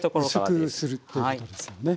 薄くするっていうことですもんね。